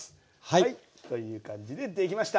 はいという感じで出来ました。